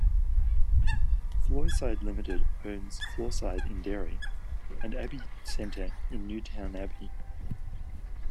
Foyleside Limited owns Foyleside in Derry and the Abbey Centre in Newtownabbey.